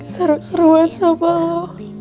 seru seruan sama lo